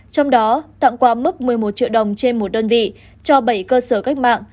trong đó tặng quà mức một mươi một triệu đồng trên một đơn vị cho bảy cơ sở cách mạng